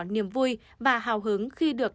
niềm vui và hào hứng khi được